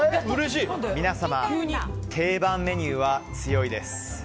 皆様、定番メニューは強いです。